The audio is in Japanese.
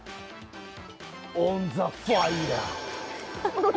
オン・ザ・ファイアー。